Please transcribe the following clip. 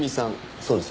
そうですね？